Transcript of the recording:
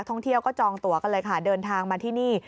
ท่องเที่ยวก็จองตัวกันเลยค่ะเดินทางมาที่นี่